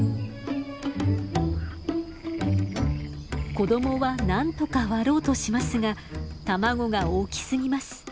子供はなんとか割ろうとしますが卵が大きすぎます。